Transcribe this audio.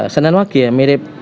senin wage ya mirip